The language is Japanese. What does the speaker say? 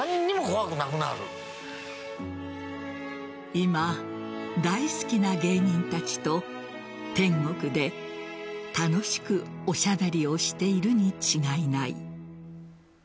今、大好きな芸人たちと天国で楽しくおしゃべりをしているに違いない。